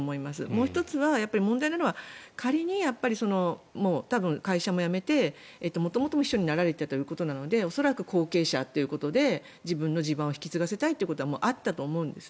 もう１つは問題なのは多分、会社も辞めて元々、秘書になられていたということなので恐らく後継者ということで自分の地盤を引き継がせたいということはあったと思うんです。